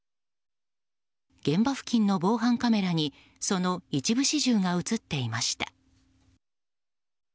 現場付近の防犯カメラにその一部始終が映っていました。